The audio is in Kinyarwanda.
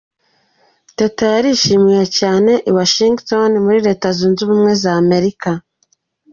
Teta yarishimiwe cyane i Washington muri Leta Zunze Ubumwe za Amerika.